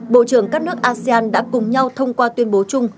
bộ trưởng các nước asean đã cùng nhau thông qua tuyên bố chung